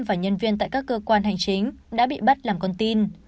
và nhân viên tại các cơ quan hành chính đã bị bắt làm con tin